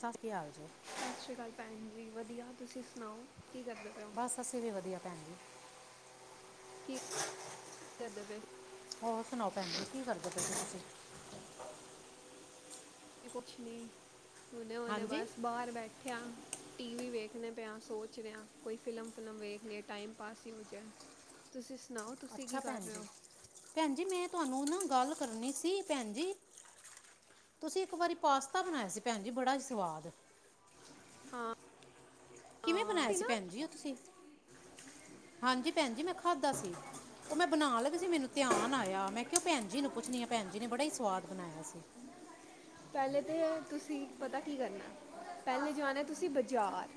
ਸਤਿ ਸ਼੍ਰੀ ਅਕਾਲ ਜੀ। ਸਤਿ ਸ਼੍ਰੀ ਅਕਾਲ ਭੈਣ ਜੀ ਵਧੀਆ ਤੁਸੀਂ ਸੁਣਾਓ ਕੀ ਕਰਦੇ ਪਿਆ। ਬਸ, ਅਸੀਂ ਵੀ ਵਧੀਆ ਭੈਣ। ਕੀ ਕਰਦੇ ਪਏ ਹੋਰ ਸੁਣਾਓ ਭੈਣ ਜੀ, ਕੀ ਕਰਦੇ ਪਏ ਤੁਸੀਂ? ਕੁੱਛ ਨੀ। ਹੁਣ-ਹੁਣੇੇ ਹਾਂਜੀ ਬਸ, ਬਾਰ ਬੈਠੇ ਆ। ਟੀ-ਵੀ ਵੇਖਣੇ ਪਏ ਆ। ਸੋਚ ਰਿਹਾ। ਕੋਈ ਫਿਲਮ-ਫਿਲਮ ਵੇਖ ਲੇ, ਟਾਈਮ ਪਾਸ ਹੀ ਹੋ ਜੇ। ਤੁਸੀਂ ਅੱਛਾ ਭੈਣ ਜੀ। ਭੈਣ ਜੀ ਮੈਂ ਤੁਹਾਨੂੰ ਨਾ, ਗੱਲ ਕਰਨੀ ਸੀ। ਭੈਣ ਜੀ। ਤੁਸੀਂ ਇੱਕ ਵਰੀ ਪਾਸਤਾ ਬਣਾਇਆ ਸੀ, ਭੈਣ ਜੀ ਬੜਾ ਹੀ ਸਵਾਦ। ਹਾਂ। ਕਿਵੇਂ ਬਣਾਇਆ ਤੁਸੀਂ ਸੀ, ਨਾ ਭੈਣ ਜੀ ਓ ਤੁਸੀਂ? ਹਾਂਜੀ, ਭੈਣ ਜੀ ਮੈਂ ਖਾਧਾ ਸੀ। ਓ, ਮੈਂ ਬਣਾ ਲੱਗੀ ਸੀ। ਮੈਂਨੂੰ ਧਿਆਨ ਆਇਆ, ਮੈਂ ਕਿਆ ਭੈਣ ਜੀ ਨੂੰ ਪੁੱਛਣੀ ਆਂ। ਭੈਣ ਜੀ ਨੇ ਬੜਾ ਹੀ ਸਵਾਦ ਬਣਾਇਆ ਸੀ। ਪਹਿਲੇ ਤੇ ਤੁਸੀਂ ਪਤਾ ਕੀ ਕਰਨਾ? ਪਹਿਲੇ ਜਾਣਾ, ਤੁਸੀਂ ਬਜ਼ਾਰ।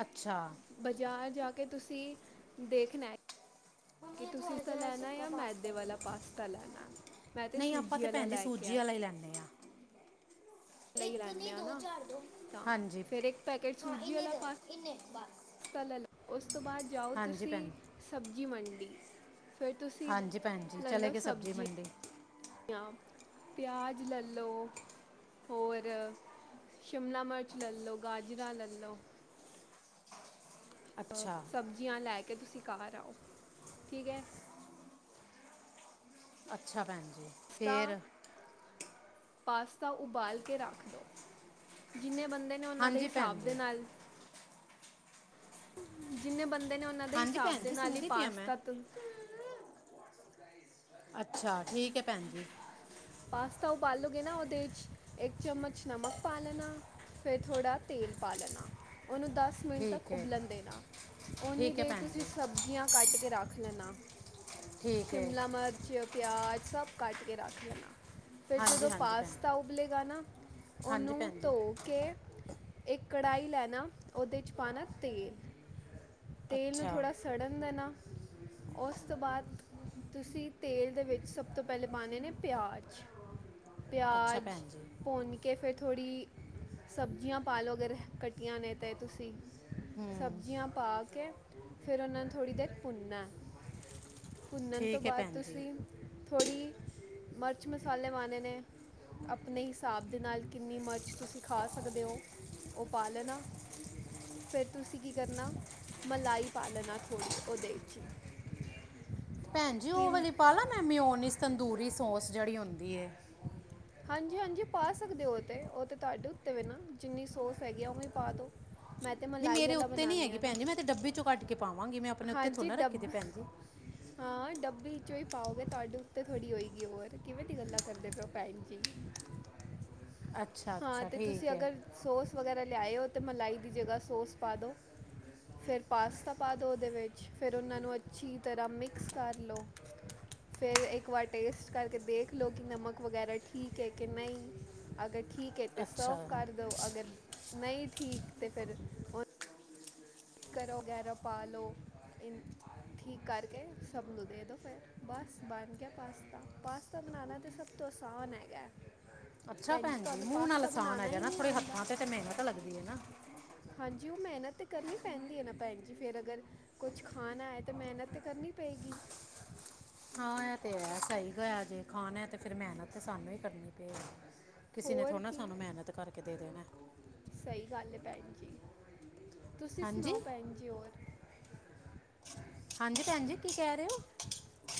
ਅੱਛਾ‌। ਬਜ਼ਾਰ ਜਾ ਕੇ, ਤੁਸੀਂ ਦੇਖਣਾ ਕਿ ਮੰਮੀ ਇਹ ਤੁਸੀਂ ਥੋੜਾ ਤਾਂ ਜਿਹਾ ਲੈਣਾ ਸੁੱਕਾ ਆ, ਪਾਸਤਾ ਮੈਦੇ ਵਾਲਾ ਦੇਣਾ ਪਾਸਤਾ ਲੈਣਾ। ਮੈਂ ਤੇ ਨਹੀਂ ਆਪਾਂ ਸੂਜ਼ੀ ਵਾਲਾ ਭੈਣ ਜੀ ਲੈ ਕੇ ਸੂਜੀ ਆਈ। ਵਾਲਾ ਹੀ ਲੈਂਦੇ ਆ ਲਈ ਇੱਕ ਲੈਣੇ ਨਹੀਂ ਆ ਦੋ ਨਾ, ਝਾੜ ਦੋ ਤਾਂ। ਹਾਂਜੀ ਫਿਰ ਇੱਕ ਪੈਕੇਟ ਸੂਜ਼ੀ ਵਾਲਾ ਪਾ- ਸਤਾ ਲੈ ਲੋ। ਉਸ ਤੋਂ ਬਾਅਦ ਜਾਉ, ਹਾਂਜੀ ਤੁਸੀਂ ਭੈਣ ਸਬਜ਼ੀ ਮੰਡੀ। ਫੇਰ ਤੁਸੀਂ ਹਾਂਜੀ ਭੈਣ ਜੀ ਲੈ ਚਲੇ ਲੋ ਗਏ ਸਬਜ਼ੀ। ਮੰਡੀ ਜਿਆਂ, ਪਿਆਜ਼ ਲੈ ਲੋ। ਹੋਰ ਸ਼ਿਮਲਾ ਮਰਚ ਲੈ ਲੋ, ਗਾਜਰਾਂ ਲੈ ਲੋ। ਅੱਛਾ। ਜਿਆਂ ਲੈ ਕੇ, ਤੁਸੀਂ ਘਰ ਆਓ, ਠੀਕ ਐ। ਅੱਛਾ ਭੈਣ ਜੀ। ਸਤਾ ਫੇਰ ਪਾਸਤਾ ਉਬਾਲ ਕੇ ਰੱਖ ਦੋ। ਜਿੰਨੇ ਬੰਦੇ ਨੇ ਉਹਨਾਂ ਦੇ ਹਾਂਜੀ ਭੈਣ ਹਿਸਾਬ ਦੇ ਜੀ ਨਾਲ ਜਿੰਨੇ ਬੰਦੇ ਨੇ ਉਹਨਾਂ ਦੇ ਹਾਂਜੀ ਹਿਸਾਬ ਭੈਣ ਦੇ ਜੀ ਨਾਲ ਹੀ ਸੁਣਦੀ ਪਿਆ ਪਾਸ ਮੈਂ ਤਤ ਅੱਛਾ, ਠੀਕ ਐ, ਭੈਣ ਜੀ। ਪਾਸਤਾ ਉਬਾਲੋਗੇ ਨਾ, ਉਹਦੇ ਵਿੱਚ ਇੱਕ ਚਮਚ ਨਮਕ ਪਾ ਲੈਣਾ। ਫੇਰ ਥੋੜਾ ਤੇਲ ਪਾ ਲੈਨਾ, ਉਹਨੂੰ ਦੱਸ ਮਿੰਟ ਠੀਕ ਤੱਕ ਹੈ ਉਬਲਣ ਦੇਣਾ। ਓਨੀ ਠੀਕ ਹੈ ਦੇਰ ਭੈਣ ਤੁਸੀਂ ਜੀ ਸਬਜ਼ੀਆਂ ਕੱਟ ਕੇ ਰੱਖ ਲੈਣਾ। ਠੀਕ ਹੈ ਸ਼ਿਮਲਾ ਮਰਚ, ਪਿਆਜ਼, ਸਭ ਕੱਟ ਕੇ ਰੱਖ ਲੈਣਾ। ਫੇਰ ਹਾਂਜੀ ਜਦੋਂ ਹਾਂਜੀ ਭੈਣ ਪਾਸਤਾ ਉਬਲੇਗਾ ਨਾ, ਹਾਂਜੀ ਉਹਨੂੰ ਭੈਣ ਜੀ ਧੋ ਕੇ ਇੱਕ ਕੜਾਹੀ ਲੈਨਾ, ਉਹਦੇ 'ਚ ਪਾਨਾ ਤੇਲ। ਤੇਲ ਨੂੰ ਅੱਛਾ ਥੋੜਾ ਸੜਨ ਦੇਣਾ। ਉਸ ਤੋਂ ਬਾਅਦ, ਤੁਸੀਂ ਤੇਲ ਦੇ ਵਿੱਚ ਸਭ ਤੋਂ ਪਹਿਲੇ ਪਾਨੇ ਨੇ ਪਿਆਜ਼, ਅੱਛਾ ਪਿਆਜ਼ ਭੈਣ ਜੀ ਭੁਨ ਕੇ ਫੇਰ ਥੋੜੀ, ਸਬਜ਼ੀਆਂ ਪਾ ਲੋ ਅਗਰ ਕੱਟੀਆਂ ਨੇ ਤੇ ਤੁਸੀਂ। ਹੂੰ ਸਬਜ਼ੀਆਂ ਪਾ ਕੇ, ਫੇਰ ਉਹਨਾਂ ਨੂੰ ਥੋੜੀ ਦੇਰ ਭੁੰਨਨਾ ਐ। ਭੁੰਨਨ ਤੋਂ ਠੀਕ ਹੈ ਬਾਅਦ ਭੈਣ ਜੀ ਤੁਸੀਂ ਥੋੜੀ ਮਰਚ-ਮਸਾਲੇ ਪਾਣੇ ਨੇ। ਆਪਣੇ ਹਿਸਾਬ ਦੇ ਨਾਲ, ਕਿੰਨੀ ਮਰਚ ਤੁਸੀਂ ਖਾ ਸਕਦੇ ਓ? ਓ ਪਾ ਲੈਣਾ। ਫੇਰ ਤੁਸੀਂ ਕੀ ਕਰਨਾ, ਮਲਾਈ ਪਾ ਲੈਣਾ ਥੋੜੀ ਉਹਦੇ 'ਚ ਈ।' ' [inaudible] ਭੈਣ ਜੀ, ਓ ਵਾਲੀ ਪਾ ਲਾ ਮੈਂ, ਮਿਓਨੀ ਤੰਦੂਰੀ-ਸੌਸ ਜਿਹੜੀ ਹੁੰਦੀ ਏ। ' [inaudible] ਹਾਂਜੀ-ਹਾਂਜੀ ਪਾ ਸਕਦੇ ਓ ਤੇ। ਓ ਤੇ ਤੁਹਾਡੇ ਉੱਤੇ ਵੇ ਨਾ, ਜਿੰਨੀ ਸੌਸ ਹੈਗੀ ਆ, ਉਵੇਂ ਪਾ ਦੋ। ਨਹੀਂ ਮੇਰੇ ਉੱਤੇ ਨੀ ਹੈਗੀ ਭੈਣੀ ਜੀ। ਮੈਂ ਤੇ ਡੱਬੀ ਚੋਂ ਕੱਟ ਕੇ ਪਾਵਾਂਗੀ। ਮੈਂ ਆਪਣੇ ਉੱਤੇ ਥੌੜੇ ਹਾਂਜੀ ਨਾ ਰੱਖੀ ਦੇ ਡੱਬੀ ਭੈਣ ਜੀ। ਹਾਂ ਡੱਬੀ ਚੋਂ ਹੀ ਪਾਓਗੇ ਤੁਹਾਡੇ ਉੱਤੇ ਥੋੜੀ ਹੋਏਗੀ ਔਰ ਕਿਵੇਂ ਦੀ ਗੱਲਾਂ, ਕਰਦੇਂ ਪਏ ਹੋ ਭੈਣ ਜੀ। ਅੱਛਾ ਹਾਂ ਅੱਛਾ ਤੇ ਤੁਸੀਂ ਠੀਕ ਹੈ ਅਗਰ ਸੋਸ ਵਗ਼ੈਰਾ ਲਿਆਏ ਹੋ ਤਾਂ ਮਲਾਈ ਦੀ ਜਗਾ ਸੋਸ ਪਾ ਦੋ। ਫੇਰ ਪਾਸਤਾ ਪਾ ਦਿਉ ਉਹਦੇ ਵਿੱਚ ਫੇਰ ਉਹਨਾਂ ਨੂੰ ਅੱਛੀ ਤਰਾਂ ਮਿਕਸ ਕਰ ਲਉ। ਫੇਰ ਇੱਕ ਵਾਰ ਟੇਸਟ ਕਰਕੇ ਦੇਖ਼ ਲਓ ਕਿ ਨਮਕ ਵਗ਼ੈਰਾ ਠੀਕ ਹੈ ਕਿ ਨਹੀਂ। ਅਗਰ ਠੀਕ ਹੈ ਤਾਂ ਅੱਛਾ ਸਰਵ ਕਰ ਦੋ ਅਗਰ ਨਹੀਂ ਠੀਕ ਤਾਂ ਫੇਰ- ਕਰੋ ਗੈਰੋਂ ਪਾ ਲਓ ਇਨ, ਠੀਕ ਕਰਕੇ ਸਭ ਨੂੰ ਦੇ ਦੋ ਫੇਰ ਬਸ ਬਣ ਗਿਆਂ ਪਾਸਤਾ। ਪਾਸਤਾ ਬਣਾਉਣਾ ਤਾਂ ਸਭ- ਤੋਂ ਆਸਾਨ ਹੈਗਾਂ। ਅੱਛਾ ਭੈਣ ਜੀ, ਮੂੰਹ ਨਾਲ ਅਸਾਨ ਹੈਗਾ ਹੀ ਨਾ ਨਹੀਂ ਥੋੜੇ ਆਉਂਦਾ ਹੱਥਾਂ ਤੇ, ਤੇ ਮਿਹਨਤ ਲੱਗਦੀ ਐ ਨਾ। ਹਾਂਜੀ ਉ ਮਿਹਨਤ ਤੇ ਕਰਨੀਂ ਪੈਂਦੀ ਹੈ ਨਾ ਭੈਣ ਜੀ ਫ਼ੇਰ ਅਗਰ, ਕੁੱਛ ਖਾਣਾ ਹੈ ਤਾਂ ਮਿਹਨਤ ਤੇ ਕਰਨੀਂ ਪਏਂਗੀ। ਹਾਂ ਇਹ ਤੇ ਹੈ, ਸਹੀ ਕੇਹਾ ਜੇ ਖਾਣਾ ਏ ਤੇ ਫੇਰ ਮਿਹਨਤ ਤੇ ਸਾਨੂੰ ਹੀ ਕਰਨੀ ਪਏਗੀ। ਕਿਸੀ ਨੇ ਹੋਰ ਥੋੜਾ ਨਾ ਕੀ ਸਾਨੂੰ ਮਿਹਨਤ ਕਰਕੇ ਦੇ ਦੇਣਾਂ ਐ। ਸਹੀ ਗੱਲ ਹੈ ਭੈਣ ਜੀ, ਤੁਸੀਂ ਹਾਂਜੀ ਸੁਣਾਓ ਭੈਣ ਜੀ ਹੋਰ? ਹਾਂਜੀ ਭੈਣ ਜੀ, ਕੀ ਕਹਿ ਰਹੇਂ ਹੋ?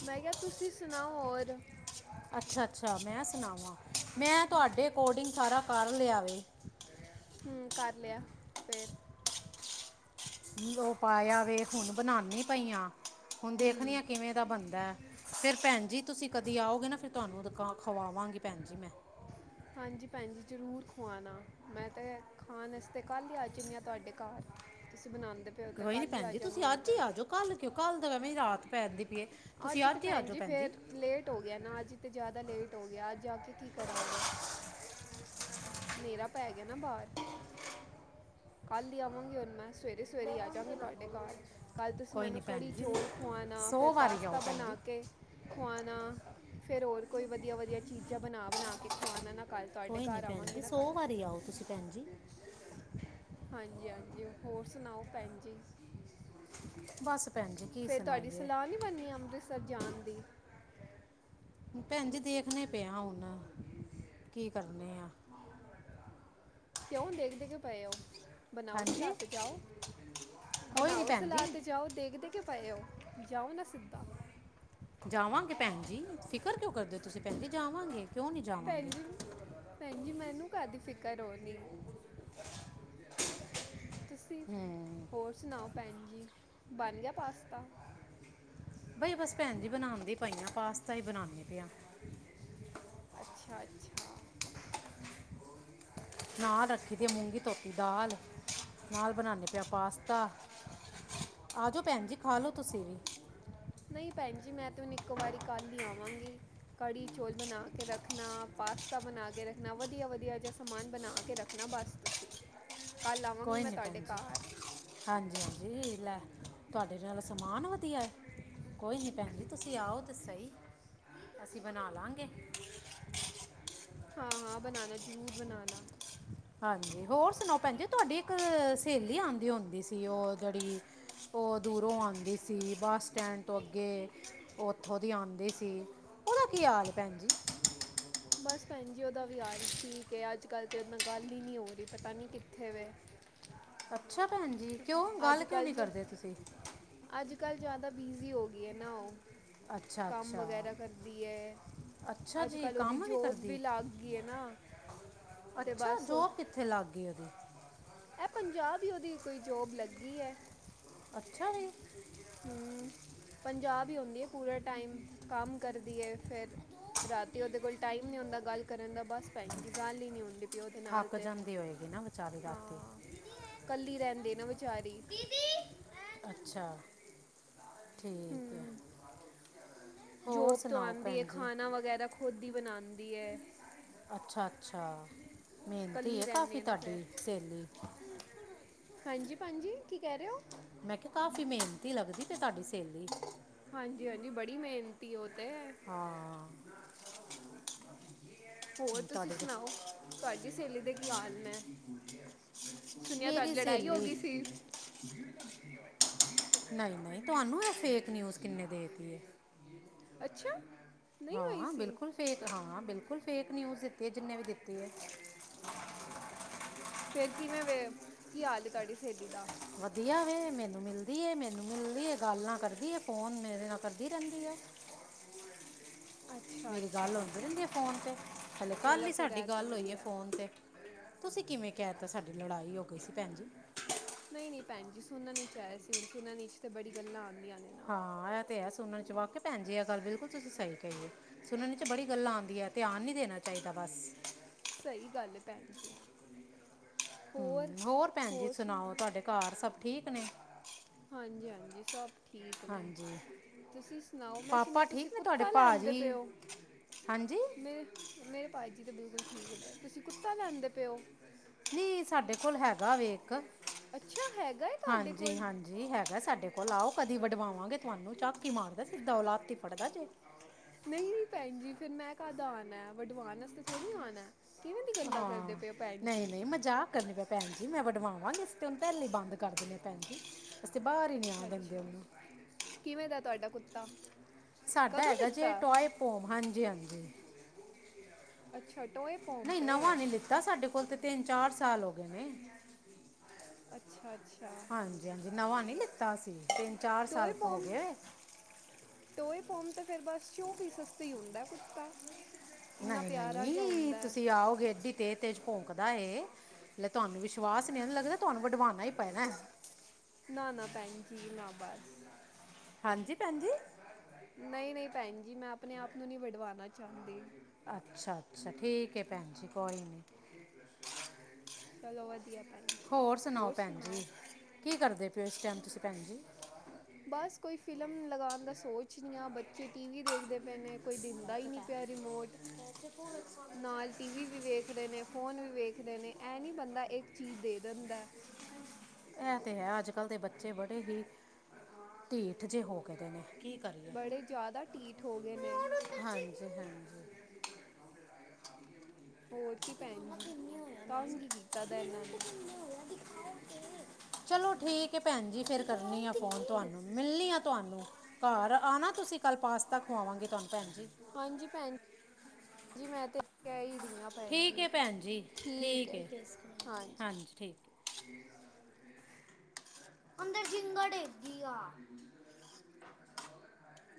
ਮੈਂ ਕਿਹਾਂ, ਤੁਸੀਂ ਸੁਣਾਓ ਹੋਰ? ਅੱਛਾ-ਅੱਛਾ, ਮੈਂ ਸੁਣਾਵਾਂ, ਮੈਂ ਤੁਹਾਡੇ ਅਕੋਡਿੰਗ ਸਾਰਾਂ ਕਰ ਲਿਆਵੇਂ। ਹਮ, ਕਰ ਲਿਆਂ, ਫ਼ੇਰ? ਉਹ ਪਾਇਆ ਵੇ, ਹੁਣ ਬਣਾਉਂਣੀ ਪਈ ਆਂ। ਹੁਣ ਦੇਖਣੀ ਹੂੰ ਆ, ਕਿਵੇਂ ਦਾ ਬਣਦਾ ਐ। ਫ਼ੇਰ ਭੈਣ ਜੀ, ਤੁਸੀਂ ਕਦੇ ਆਓਗੇ ਨਾ, ਫ਼ਿਰ ਤੁਹਾਨੂੰ ਖਵਾਵਾਂਗੇ, ਭੈਣ ਜੀ ਮੈਂ। ਹਾਂਜੀ ਭੈਣ ਜੀ ਜ਼ਰੂਰ ਖਵਾਉਣਾ, ਮੈਂ ਤਾਂ ਖਾਣ ਵਾਸਤੇ ਕੱਲ੍ਹ ਹੀ ਆ ਜਾਂਦੀ ਹਾਂ, ਤੁਹਾਡੇ ਘਰ। ਤੁਸੀਂ ਬਣਾਉਂਦੇ ਪਏ ਹੋ ਤਾਂ ਕੋਈ ਨੀ ਕੱਲ੍ਹ ਹੀ ਭੈਣ ਆ ਜੀ, ਜਾਵਾਂਗੀ ਤੁਸੀਂ ਮੈਂ ਅੱਜ ਤਾਂ ਹੀ ਆ ਜਾਓ ਕੱਲ ਕਿਉ, ਕੱਲ ਤਾਂ ਐਵੇਂ ਰਾਤ ਪੈਂਦੀ ਪੀ ਏ, ਤੁਸੀਂ ਤੇ ਅੱਜ ਹੀ ਆਂ ਭੈਣ ਜਾਓ ਜੀ ਭੈਣਜੀ। ਫਿਰ ਲੇਟ ਹੋ ਗਿਆਂ ਨਾ, ਅੱਜ ਤਾਂ ਜ਼ਿਆਦਾ ਲੇਟ ਹੋ ਗਿਆਂ, ਅੱਜ ਆ ਕੇ ਕੀਂ ਕਰਾਂਗੇ। ਹਨ੍ਹੇਰਾ ਪੈ ਗਿਆਂ ਨਾ ਬਾਹਰ ਕੱਲ੍ਹ ਹੀ ਆਵਾਂਗੀ ਹੁਣ ਮੈਂ, ਸਵੇਰੇ-ਸਵੇਰੇ ਆਜਾਗੀ ਤੁਹਾਡੇ ਘਰ। ਕੱਲ੍ਹ ਤੁਸੀਂ ਕੋਈ ਮੈਨੂੰ ਨਹੀਂ ਕੜੀ ਭੈਣ ਜੀ ਚੌਲ਼ ਖਵਾਉਣਾਂ, ਫਿਰ ਸੌ ਵਾਰੀ ਆਓ ਪਾਸਤਾ ਭੈਣ ਜੀ ਬਣਾਂ ਕੇ ਖਆਣਾ, ਫੇਰ ਹੋਰ ਕੋਈ ਵਧੀਆਂ-ਵਧੀਆਂ ਚੀਜ਼ਾਂ ਬਣਾਂ, ਬਣਾਂ ਕੇ ਖੁਵਾਣਾ ਨਾ ਕਲ। ਕੋਈ ਨਹੀਂ ਭੈਣ ਜੀ, ਸੌ ਵਾਰੀਂ ਆਓ ਤੁਸੀਂ ਭੈਣ ਜੀ। ਹਾਂਜੀ ਹਾਂਜੀ, ਹੋਰ ਸੁਣਾਓ ਭੈਣ ਜੀ? ਬਸ ਭੈਣ ਜੀ ਕੀ ਫ਼ਿਰ ਤੁਹਾਡੀ ਸੁਣਾਈਏ ਸਲਾਹ ਨਹੀਂ ਬਣਨੀ, ਅੰਮ੍ਰਿਤਸਰ ਜਾਣ ਦੀ? ਭੈਣ ਜੀ ਦੇਖਣੇ ਪਏ ਆ ਹੁਣ, ਕੀ ਕਰਨੇ ਆਂ। ਕਿਉਂ, ਦੇਖਦੇ ਕਿਉਂ ਪਏ ੳ? ਬਣਾਓ ਸਲਾ ਹਾਂਜੀ ਤੇ ਜਾਓ, ਕੋਈ ਨਹੀਂ ਬਣਾਓ ਭੈਣ ਸਲਾ ਜੀ ਤੇ ਜਾਓ, ਦੇਖ਼ ਦੇ ਕਿਉਂ ਪਏ ਹੋ, ਜਾਓ ਨਾ ਸਿੱਧਾਂ। ਜਾਵਾਂਗੇ ਭੈਣ ਜੀ, ਫ਼ਿਕਰ ਕਿਉਂ ਕਰਦੇ ਹੋ ਤੁਸੀਂ ਭੈਣ ਜੀ, ਜਾਵਾਂਗੇ। ਕਿਉਂ ਨਹੀਂ ਜਾਵਾਂਗੇ ਭੈਣ ਜੀ, ਭੈਣ ਜੀ ਮੈਨੂੰ ਕਾਹਦੀ ਫ਼ਿਕਰ ਹੋਣੀਂ। ਤੁਸੀਂ ਹੋਰ ਸੁਣਾਓ ਭੈਣ ਜੀ, ਬਣ ਗਿਆਂ ਪਾਸਤਾ? ਬਈ ਬਸ ਭੈਣ ਜੀ, ਬਣਾਉਂਦੀ ਪਈ ਆ, ਪਾਸਤਾ ਹੀ ਬਣਾਉਂਦੀ ਪਈਆਂ। ਅੱਛਾ, ਅੱਛਾ। ਨ ਨਾਲ ਰੱਖੀਂ ਦੀ ਉਹ ਮੂੰਗੀ ਧੋਤੀ ਦਾਲ, ਨਾਲ ਬਨਾਨੀ ਪਈ ਆਂ ਪਾਸਤਾ ਆ ਜਾਓ ਭੈਣ ਜੀ, ਖਾਂ ਲੋੋ ਤੁਸੀਂ ਵੀ। ਨਹੀਂ ਭੈਣ ਜੀ, ਮੈਂ ਤਾਂ ਹੁਣ ਇੱਕੋ ਵਾਰੀ ਕੱਲ੍ਹ ਹੀ ਆਵਾਂਗੀ। ਕੜੀ ਚੋਲ ਬਣਾਂ ਕੇ ਰੱਖਣਾ, ਪਾਸਤਾ ਬਣਾਂ ਕੇ ਰੱਖਣਾਂ, ਵਧੀਆਂ- ਵਧੀਆਂ ਜਹਾਂ ਸਮਾਂਨ ਬਣਾਂ ਕੇ ਰੱਖ ਨਾ ਬਸ, ਤੁਸੀਂ। ਕੱਲ੍ਹ ਆਵਾਂਗੀ ਕੋਈ ਮੈਂ ਨੀਂ ਭੈਣ ਤੁਹਾਡੇ ਜੀ। ਘਰ ਹਾਂਜੀ ਹਾਂਜੀ, ਲੈ, ਤੁਹਾਡੇ ਨਾਲੋ ਸਮਾਂਨ ਵਧੀਆਂ। ਕੋਈ ਨੀ ਭੈਣ ਜੀ, ਤੁਸੀਂ ਆਓ ਤੇ ਸਹੀ, ਅਸੀਂ ਬਣਾ ਲਾਂਗੇ। ਹਾਂ-ਹਾਂ ਬਣਾਉਨਾ, ਜ਼ਰੂਰ ਬਨਉਨਾ। ਹਾਂਜੀ, ਹੋਰ ਸੁਣਾੋ ਭੈਣ ਜੀ, ਤੁਹਾਡੀ ਇੱਕ ਸਹੇਲੀ ਆਉਂਦੀ ਹੁੰਦੀ ਸੀ। ਉਹ ਜਿਹੜੀ ਉਹ ਦੂਰੋਂ ਆਉਂਦੀ ਸੀ, ਬਸ ਸਟੈਂਡ ਤੋਂ ਅੱਗੇ, ਉੱਥੋਂ ਦੀ ਆਉਂਦੇ ਸੀ। ਉਹਦਾ ਕੀ ਹਾਲ ਭੈਣ ਜੀ? [inaudible] ਬਸ ਭੈਣ ਜੀ, ਉਹਦਾ ਵੀ ਆਾਲ ਹੀ ਠੀਕ ਹੈ। ਅੱਜ ਕੱਲ੍ਹ ਤਾਂ ਇਨਾਂ ਗੱਲ ਹੀ ਨਹੀਂ ਹੋ ਰਹੀ, ਪਤਾ ਨਹੀਂ ਕਿੱਥੇ ਵੇ। ਅੱਛਾ! ਭੈਣ ਜੀ ਕਿਉਂ ਅੱਜ ਗੱਲ ਕਿਉਂ ਕੱਲ੍ਹ ਨਹੀਂ ਜ, ਕਰਦੇ ਤੁਸੀਂ ਅੱਜ ਕੱਲ੍ਹ ਜ਼ਿਆਦਾ ਬਿਜ਼ੀ ਹੋ ਗਈ ਹੈ ਨਾ ਉਹ। ਅੱਛਾ ਕੰਮ ਅੱਛਾ ਵਗੈਰਾ ਕਰਦੀ ਹੈ। ਅੱਛਾ ਅੱਜ ਜੀ ਕੱਲ ਉਦੀ ਕੰਮ ਜੋਬ ਵੀ ਕਰਦੀ ਲੱਗ ਗਈ ਏ ਨਾ। ਤੇ ਅੱਛਾ ਬਸ ਜੋਬ ਕਿੱਥੇ ਲੱਗ ਗਈ ਉਹਦੀ ਐ ਪੰਜਾਬ ਈ ਉਦੀ ਕੋਈ ਜੋਬ ਲੱਗੀ ਐ। ਅੱਛਾ ਜੀ। ਹੂੰ ਪੰਜਾਬ ਈ ਹੁੰਦੀ ਏ ਪੂਰਾ ਟਾਈਮ ਕੰਮ ਕਰਦੀ ਏ ਫਿਰ ਰਾਤੀ ਉਦੇ ਕੋਲ ਟਾਈਮ ਨਈ ਹੁੰਦਾ ਗੱਲ ਕਰਨ ਦਾ ਬਸ ਭੈਣ ਜੀ ਗੱਲ ਹੀ ਨਈ ਹੁੰਦੀ ਪਈ ਓਦੇ ਨਾਲ ਥੱਕ ਤੇ ਜਾਂਦੀ ਹੋਏਗੀ ਨਾ ਵਿਚਾਰੀ ਰਾਤੀ ਹਾਂ। ਕੱਲੀ ਰੈਂਦੇ ਵਿਚਾਰੀ ਅੱਛਾ ਠੀਕ ਐ। ਹੂੰ ਜੋਬ ਤੋਂ ਆਂਦੀ ਐ ਜੀ ਖਾਣਾ ਵਗੈਰਾ ਖੁਦ ਈ ਬਣਾਂਦੀ ਐ। ਅੱਛਾ-ਅੱਛਾ ਮਿਹਨਤੀ ਕੱਲੀ ਐ ਰਹਿੰਦੀ ਕਾਫ਼ੀ ਹੈ ਨਾ ਫਿਰ ਤੁਹਾਡੀ ਸਹੇਲੀ ਹਾਂਜੀ ਭੈਣ ਜੀ ਕੀ ਕੈ ਰਏ ਓ। ਮੈਂ ਕਿਆ ਕਾਫੀ ਮਿਹਨਤੀ ਲੱਗਦੀ ਤੇ ਤੁਹਾਡੀ ਸਹੇਲੀ ਹਾਂਜੀ-ਹਾਂਜੀ ਬੜੀ ਮਿਹਨਤੀ ਓ ਤੇ ਹਾਂ ਹੋਰ ਤੁਸੀਂ ਤੁਹਾਡੇ ਸੁਣਾਓ ਤਾਂ- ਤੁਹਾਡੀ ਸਹੇਲੀ ਦੇ ਕੀ ਹਾਲ ਨੇ। ਸੁਣਿਆ ਤੁਹਾਡੀ ਮੇਰੀ ਲੜਾਈ ਹੋ ਸਹੇਲੀ ਗਈ ਸੀ। [inaudible] ਨਈ-ਨਈ ਤੁਹਾਨੂੰ ਏ ਫੇਕ ਨਿਊਜ਼ ਕਿੰਨੇ ਦੇ ਤੀ ਏ ਅੱਛਾ ਨਹੀਂ ਹੋਈ ਹਾਂ ਸੀ ਬਿਲਕੁਲ ਫੇਕ ਹਾਂ ਬਿਲਕੁਲ ਫੇਕ ਨਿਊਜ਼ ਦਿੱਤੀ ਏ ਜਿੰਨੇ ਵੀ ਦਿੱਤੀ ਏ। ਫੇਰ ਕਿਵੇਂ ਵੇ ਕੀ ਹਾਲ ਏ ਤੁਹਾਡੀ ਸਹੇਲੀ ਦਾ। ਵਧੀਆ ਵੇ ਮੈਨੂੰ ਮਿਲਦੀ ਏ ਮੈਨੂੰ ਮਿਲਦੀ ਏ ਗੱਲਾਂ ਕਰਦੀ ਏ ਫੋਨ ਮੇਰੇ ਨਾਲ ਕਰਦੀ ਰੈਂਦੀ ਏ। ਅੱ ਮੇਰੀ ਗੱਲ ਹੁੰਦੀ ਰੈਂਦੀ ਏ ਫੋਨ ਤੇ ਹਲੇ ਕੱਲ ਚਲੋ ਈ ਫਿਰ ਸਾਡੀ ਇਹ ਤੇ ਗੱਲ ਹੋਈ ਏ ਵਧੀਆ ਫੋਨ ਤੇ ਤੁਸੀਂ ਕਿਵੇਂ ਕੈ ਦਿੱਤਾ ਸਾਡੀ ਲੜਾਈ ਹੋ ਗਈ ਸੀ ਭੈਣ ਜੀ। ਨਈ-ਨਈ ਭੈਣ ਜੀ ਸੁਣਨ 'ਚ ਆਯਾ ਸੀ ਹੁਣ ਸੁਣਨ ਤੇ ਬੜੀ ਗੱਲਾਂ ਆਂਦੀਆਂ ਨੇ। ਨਾ ਹਾਂ ਇਹ ਤੇ ਐ ਸੁਣਨ ਨੂੰ ਵਾਕੇ ਭੈਣ ਜੀ ਇਹ ਗੱਲ ਬਿਲਕੁਲ ਤੁਸੀਂ ਸਈ ਕਈ ਏ। ਸੁਣਨ 'ਚ ਬੜੀ ਗੱਲਾਂ ਆਂਦੀਆਂ ਧਿਆਨ ਨਈ ਦੇਣਾ ਚਾਈਦਾ ਬਸ ਸਈ ਗੱਲ ਏ ਭੈਣ ਜੀ। ਹੂੰ ਹੋਰ ਭੈਣ ਜੀ ਸੁਣਾਓ ਤੁਹਾਡੇ ਘਰ ਸਭ ਠੀਕ ਨੇ। ਹਾਂਜੀ-ਹਾਂਜੀ ਸਭ ਠੀਕ ਨੇ। ਹਾਂਜੀ ਤੁਸੀਂ ਸੁਣਾਓ ਮੈਂ ਪਾਪਾ ਸੁਣਿਆ ਤੁਸੀਂ ਠੀਕ ਨੇ ਤੁਹਾਡੇ ਕੁੱਤਾ ਲੈਂਦੇ ਪਏ ਭਾਜੀ? ਓ। ਹਾਂਜੀ ਮੇ ਮੇਰੇ ਭਾਜੀ ਤੇ ਬਿਲਕੁਲ ਠੀਕ ਨੇ ਤੁਸੀਂ ਕੁੱਤਾ ਲੈਂਦੇ ਪਏ ਓ। ਨਈ ਸਾਡੇ ਕੋਲ ਹੈਗਾ ਵੇ। ਅੱਛਾ ਹੈਗਾ ਐ ਤੁਹਾਡੇ ਕੋਲ ਜੀ ਹੈਗਾ ਸਾਡੇ ਕੋਲ ਆਓ ਕਦੀ ਵਡਵਾਵਾਂਗੇ ਤੁਹਾਨੂੰ ਝਕ ਹੀ ਮਾਰਦਾ ਸਿੱਧਾ ਓ ਲੱਤ ਈ ਫੜਦਾ ਜੇ। ਨਈ-ਨਈ ਭੈਣ ਜੀ ਫਿਰ ਮੈਂ ਕਦ ਆਣਾ ਵਢਵਾਣ ਵਾਸ ਥੜ੍ਹੀ ਆਣਾ। ਹਾਂ ਨਈ-ਨਈ ਮਜਾਕ ਕਰਨੀ ਪਈ। ਭੈਣ ਜੀ ਮੈਂ ਵਡਵਾਵਾਂਗੀ ਇਸ ਤੇ ਉਨੂੰ ਪੈਲੇ ਈ ਬੰਦ ਕਰ ਦਿੰਣੇ ਭੈਣ ਜੀ। ਤੇ ਬਾਹਰ ਹੀ ਨਹੀਂ ਆਉਣ ਦਿੰਦੇ ਅੱਛਾ-ਅੱਛਾ ਉਹਨੂੰ। ਕਿਵੇਂ ਦਾ ਤੁਹਾਡਾ ਕੁੱਤਾ ਸਾਡਾ ਕਦੋਂ ਹੈਗਾ ਜੇ ਲਿੱਤਾ ਟੋਏ ਪੋਮ ਹਾਂਜੀ-ਹਾਂਜੀ। ਅੱਛਾ ਟੋਏ ਪੋਮ ਪੇ ਤਾਂ ਸਾਡੇ ਕੋਲ 'ਤੇ ਤਿੰਨ-ਚਾਰ ਸਾਲ ਹੋਗੇ ਨੇ। ਅੱਛਾ ਅੱਛਾ ਹਾਂਜੀ-ਹਾਂਜੀ ਨਵਾਂ ਨੀ ਲੀਤਾ ਅਸੀਂ ਤਿੰਨ-ਚਾਰ ਟੋਏ ਸਾਲ ਪੋਮ ਹੋਗੇ ਐ। ਟੋਏ ਪੋਮ 'ਤੇ ਫੇਰ ਬਸ ਸੋ ਪੀਸ ਵਸਤੇ ਈ ਹੁੰਦਾ ਕੁੱਤਾ। ਇੰਨਾ ਪਿਆਰਾ ਜਿਹਾ ਨਈ-ਨਈ ਹੁੰਦਾ ਹੈ। ਤੁਸੀਂ ਆਓਗੇ ਐਡੀ ਤੇਜ਼-ਤੇਜ਼ ਭੋਂਕਦਾ ਏ ਲੈ ਤੁਹਾਨੂੰ ਵਿਸ਼ਵਾਸ ਨ ਮੈਂ ਲੱਗਦਾ ਤੁਹਾਨੂੰ ਵੱਢਵਾਨਾ ਈ ਪੈਣੈ। ਨਾ-ਨਾ ਭੈਣ ਜੀ ਨਾ ਬਸ। ਹਾਂਜੀ ਭੈਣ ਜੀ। ਨਈ-ਨਈ ਭੈਣ ਜੀ ਮੈਂ ਆਪਣੇ ਆਪ ਨੂੰ ਨੀ ਵਡਵਾਣਾ ਚਾਦੀ। ਅੱਛਾ-ਅੱਛਾ ਠੀਕ ਏ ਭੈਣ ਜੀ ਕੋਈ ਨੀ। ਚਲੋ ਵਧੀਆ ਭੈਣ ਹੋਰ ਸੁਣਾਓ ਭੈਣ ਜੀ ਕੀ ਕਰਦੇ ਪੇਓ ਇਸ ਟਾਈਮ ਤੁਸੀਂ ਭੈਣ ਜੀ? ਬਸ ਕੋਈ ਫ਼ਿਲਮ ਲਗਾਣ ਦਾ ਸੋਚ ਰੀ ਆ ਬੱਚੇ ਟੀ ਵੀ ਦੇਖਦੇ ਪਏ ਨੇ ਕੋਈ ਦਿੰ ਦਾ ਈ ਨੀ ਪੇਆ ਰਿਮੋਟ। ਨਾਲ ਟੀ ਵੀ-ਵੀ ਵੇਖ ਰੇ ਨੇ, ਫ਼ੋਨ ਵੀ ਵੇਖ ਰੇ ਨੇ ਐ ਨੀ ਬੰਦਾ ਇੱਕ ਚੀਜ਼ ਦੇ ਦਿੰਦਾ। ਐ 'ਤੇ ਹੈ ਅੱਜ-ਕੱਲ ਦੇ ਬੱਚੇ ਬੜੇ ਹੀ, ਢੀ ਠ ਜੇ ਹੋ ਕੇਦੇ ਨੇ ਕੀ ਕਰੀਏ। ਕਾਦਾ ਢੀ ਠ ਹੋਗੇ ਨੇ। ਹਾਂਜੀ-ਹਾਂਜੀ। ਹੋਰ ਕੀ ਭੈਣ ਦਿਖਾਵਾ ਜੀ ਕਿੰਨੇ ਹੋਇਆ ਤੰਗ ਮਿੰਟ ਕੀਤਾ ਦਾ ਏਨਾਂ ਮਿੰਟ ਨੇ। ਕਿੰਨੇ ਹੋਇਆ ਦਿਖਾਓ ਚਲੋ ਠੀਕ ਏ ਭੈਣ ਜੀ ਫੇਰ ਕਰਨੀ ਆ ਫੋਨ ਤੁਹਾਨੂੰ ਮਿਲਣੀ ਆ ਤੁਹਾਨੂੰ। ਘਰ ਆ ਨਾ ਤੁਸੀਂ ਕੱਲ ਪਾਸਤਾ ਖਵਾਵਾਂਗੇ ਤੁਹਾਨੂੰ ਭੈਣ ਜੀ। ਹਾਂਜੀ ਭੈਣ, ਜੀ ਮੈਂ 'ਤੇ ਕੈ ਈ ਰੀ ਆ ਠੀਕ ਏ ਭੈਣ ਜੀ ਠੀਕ ਏ ਹਾਂਜੀ ਠੀਕ। ਹੈ। ਅੰਦਰ ਜਿੰਗਾ ਡੇਗੀ ਆ।